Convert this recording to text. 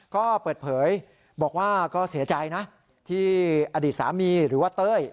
ก็เปิดเผยบอกว่าก็เสียใจนะที่อดีตสามีหรือว่าเต้ย